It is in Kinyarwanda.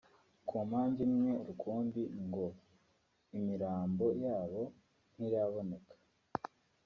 ku mpamvu imwe rukumbi ngo “imirambo yabo ntiraboneka”